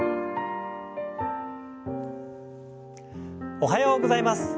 おはようございます。